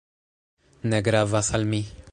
Ne gravas al mi."